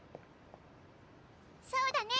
そうだね。